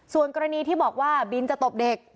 ส่วนกรณีที่บอกว่าบินจะตบเด็ก